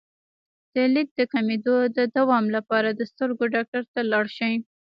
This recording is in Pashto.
د لید د کمیدو د دوام لپاره د سترګو ډاکټر ته لاړ شئ